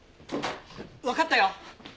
わかったよ！